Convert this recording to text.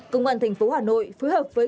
công an thành phố hà nội phối hợp với